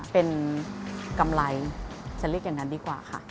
เป็นกำไรฉันเรียกอย่างนั้นดีกว่าค่ะ